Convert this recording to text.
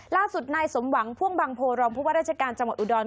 ล่าสุดในสมหวังพ่วงบังโพรมพวกว่าราชการจังหวัดอุดรธ